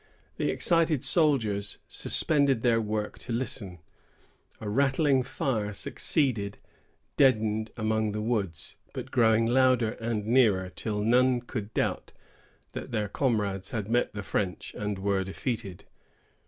The excited soldiers suspended their work to listen. A rattling fire succeeded, deadened among the woods, but growing louder and nearer, till none could doubt that their comrades had met the French, and were defeated.